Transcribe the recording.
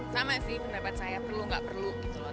sama sih pendapat saya perlu nggak perlu gitu loh